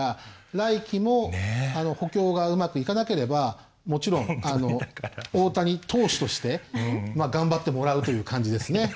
来季も補強がうまくいかなければもちろん大谷投手として頑張ってもらうという感じですね。